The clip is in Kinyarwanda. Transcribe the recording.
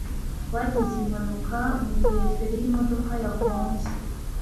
Twagize impanuka mugihe feri yimodoka yagonze